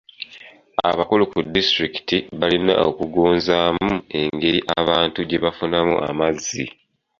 Abakulu ku disitulikiti balina okugonzaamu engeri abantu gye bafunamu amazzi.